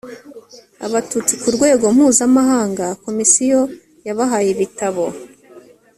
abatutsi ku rwego mpuzamahanga komisiyo yabahaye ibitabo